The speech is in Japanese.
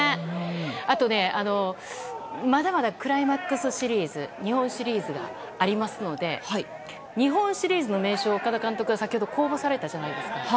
あと、まだまだクライマックスシリーズ日本シリーズがありますので日本シリーズの名称、岡田監督が公募されたじゃないですか。